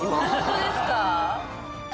本当ですか。